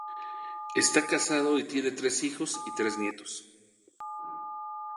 Está casado y tiene tres hijos y tres nietos.